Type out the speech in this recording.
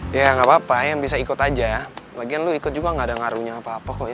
iya gapapa em bisa ikut aja lagian lo ikut juga gak ada ngarunya apa apa kok ya